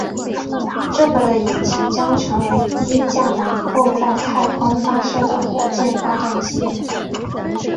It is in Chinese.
这个的引擎将成为第一架能够在太空发射的火箭发动机。